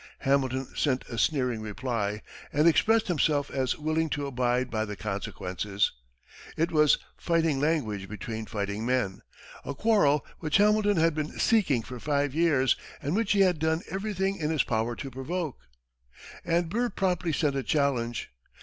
Hamilton sent a sneering reply, and expressed himself as willing to abide by the consequences. It was "fighting language between fighting men" a quarrel which Hamilton had been seeking for five years and which he had done everything in his power to provoke and Burr promptly sent a challenge.